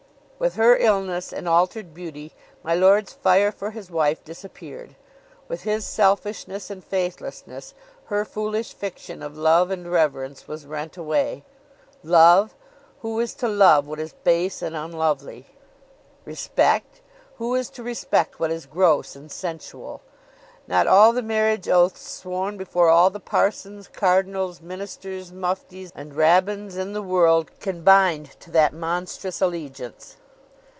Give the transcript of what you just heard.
With her illness and altered beauty my lord's fire for his wife disappeared; with his selfishness and faithlessness her foolish fiction of love and reverence was rent away. Love! who is to love what is base and unlovely? Respect! who is to respect what is gross and sensual? Not all the marriage oaths sworn before all the parsons, cardinals, ministers, muftis, and rabbins in the world, can bind to that monstrous allegiance.